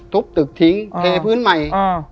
ตึกทิ้งเทพื้นใหม่